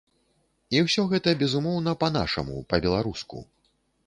І ўсё гэта, безумоўна, па-нашаму, па-беларуску!